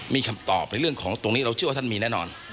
มีคำตอบในเรื่องของตรงนี้เราเชื่อว่าท่านมีแน่นอน